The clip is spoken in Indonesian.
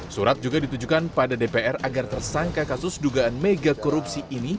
surat juga ditujukan pada dpr agar tersangka kasus dugaan mega korupsi ini